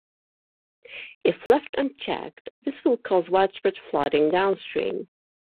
If left unchecked, this will cause widespread flooding downstream.